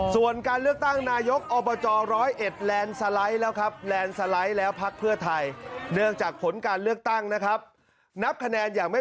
ส่วนการเลือกตั้ง